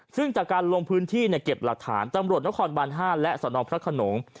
ซึ่งจากการลงพื้นที่เก็บหลักฐานตำรวจนครบาน๕และสนพระขนง